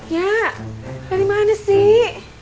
ya dari mana sih